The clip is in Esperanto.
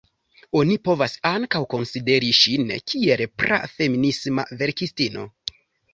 Oni povas ankaŭ konsideri ŝin kiel pra-feminisma verkistino.